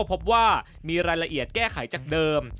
พบว่ามีรายละเอียดแก้ไขจากเดิม